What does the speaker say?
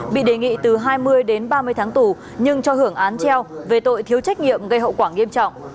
bị đề nghị từ hai mươi đến ba mươi tháng tù nhưng cho hưởng án treo về tội thiếu trách nhiệm gây hậu quả nghiêm trọng